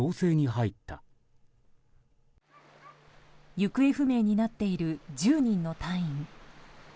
行方不明になっている１０人の隊員。